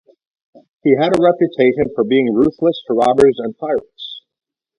He had a reputation for being ruthless to robbers and pirates.